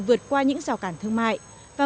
vượt qua những rào cản thương mại và